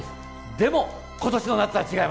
でも今年の夏は違います。